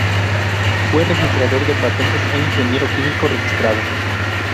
Fue registrador de patentes e ingeniero químico registrado.